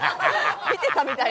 見てたみたいな。